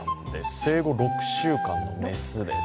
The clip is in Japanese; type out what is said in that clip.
生後６週間の雌です。